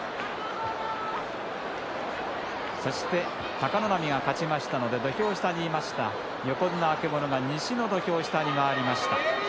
そして貴ノ浪が勝ちましたので土俵下にいました横綱曙が西の土俵下に回りました。